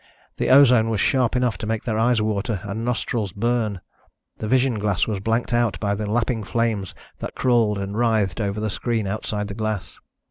The ozone was sharp enough to make their eyes water and nostrils burn. The vision glass was blanked out by the lapping flames that crawled and writhed over the screen outside the glass.